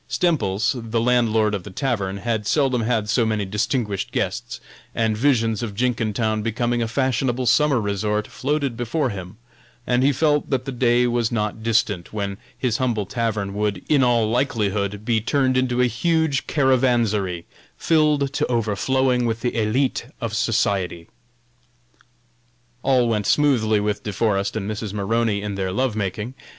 Stemples, the landlord of the tavern, had seldom had so many distinguished guests, and visions of Jenkintown becoming a fashionable summer resort floated before him, and he felt that the day was not distant when his humble tavern would, in all likelihood, be turned into a huge caravansary, filled to overflowing with the élite of society. All went smoothly with De Forest and Mrs. Maroney in their love making.